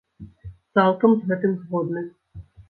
Цалкам з гэтым згодны.